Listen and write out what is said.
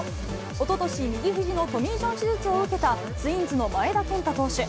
おととし、右ひじのトミージョン手術を受けたツインズの前田健太投手。